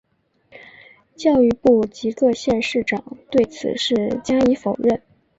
教育部及各县市长对此事加以否认。